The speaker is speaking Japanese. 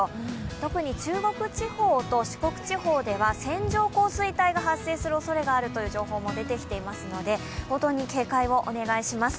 特に中国地方と四国地方では線状降水帯が発生するおそれがあるという情報も入ってきていますので、警戒をお願いします。